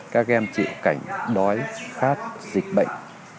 các em chịu cảnh đói khát dịch bệnh